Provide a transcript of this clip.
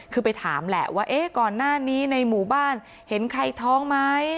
คือไปถามแหละว่าเอ๊ะก่อนหน้านี้ในหมู่บ้านเห็นใครท้องไหม